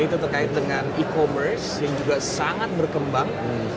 itu terkait dengan e commerce yang juga sangat berkembang